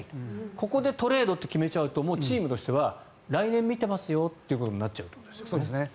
ここでトレードと決めちゃうともうチームとしては来年を見てますよということになっちゃうということですね。